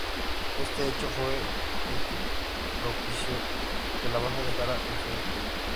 Este hecho fue el que propició que la banda se dejara influir.